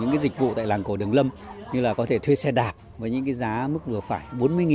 những cái dịch vụ tại làng cổ đường lâm như là có thể thuê xe đạp với những cái giá mức vừa phải bốn mươi